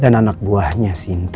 dan anak buahnya sinta